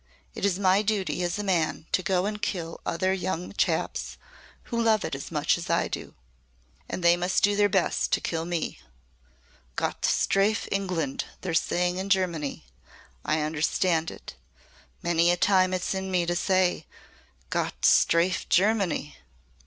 It is my duty as a man to go and kill other young chaps who love it as much as I do. And they must do their best to kill me, 'Gott strafe England,' they're saying in Germany I understand it. Many a time it's in me to say, 'Gott strafe Germany.'"